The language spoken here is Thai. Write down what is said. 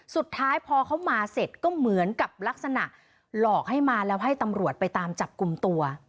สุดท้ายพอเขามาเสร็จก็เหมือนกับลักษณะหลอกให้มาแล้วให้ตำรวจไปตามจับกลุ่มตัว